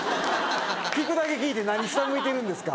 聞くだけ聞いて何下向いてるんですか？